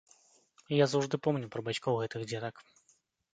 І я заўжды помню пра бацькоў гэтых дзетак.